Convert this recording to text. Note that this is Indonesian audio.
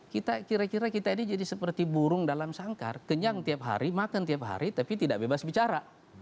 kita kira kira kita ini jadi seperti burung dalam sangkar kenyang tiap hari makan tiap hari tapi tidak bebas bicara